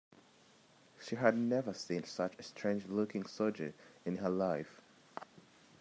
She had never seen such a strange-looking soldier in all her life.